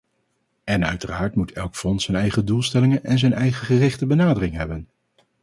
En uiteraard moet elk fonds zijn eigen doelstellingen en zijn eigen gerichte benadering hebben.